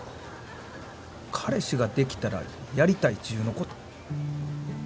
「彼氏ができたらやりたい１０のこと」